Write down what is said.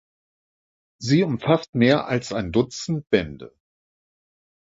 Sie umfasst mehr als ein Dutzend Bände.